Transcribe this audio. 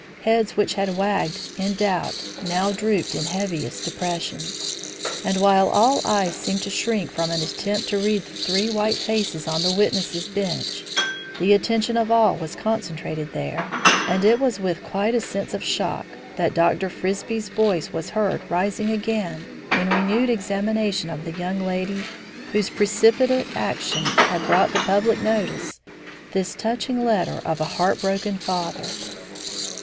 Heads which had wagged in doubt now drooped in heaviest depression; and while all eyes seemed to shrink from an attempt to read the three white faces on the witnesses' bench, the attention of all was concentrated there, and it was with quite a sense of shock that Dr. Frisbie's voice was heard rising again in renewed examination of the young lady whose precipitate action had brought to public notice this touching letter of a heartbroken father.